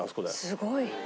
すごい。